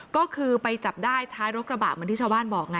ก็คือไปจับได้ท้ายรถกระบะเหมือนที่ชาวบ้านบอกไง